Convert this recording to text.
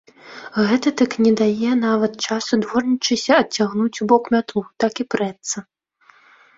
Гэты дык не дае нават часу дворнічысе адцягнуць убок мятлу, так і прэцца.